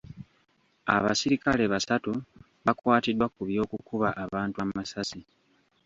Abasirikale basatu bakwatiddwa ku by'okukuba abantu amasasi.